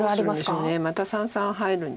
また三々入るんですか。